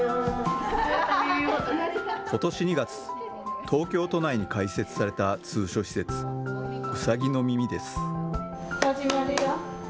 ことし２月、東京都内に開設された通所施設、うさぎのみみです。